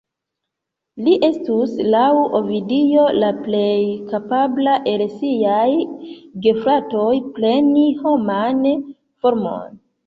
Li estus, laŭ Ovidio, la plej kapabla el siaj gefratoj preni homan formon.